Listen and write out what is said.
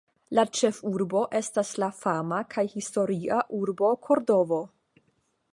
La ĉefurbo estas la fama kaj historia urbo Kordovo.